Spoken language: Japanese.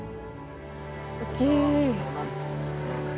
大きい。